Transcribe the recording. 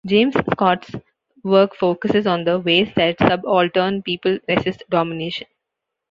James Scott's work focuses on the ways that subaltern people resist domination.